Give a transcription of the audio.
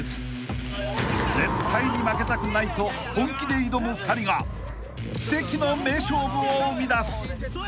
［絶対に負けたくないと本気で挑む２人が奇跡の名勝負を生み出す］